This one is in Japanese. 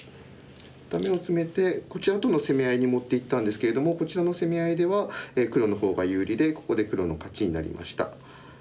ダメをツメてこちらとの攻め合いに持っていったんですけれどもこちらの攻め合いでは黒のほうが有利でここで黒の勝ちになりました。